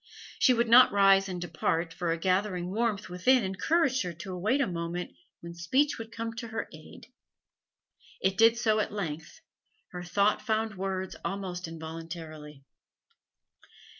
She would not rise and depart, for a gathering warmth within encouraged her to await a moment when speech would come to her aid. It did so at length; her thought found words almost involuntarily.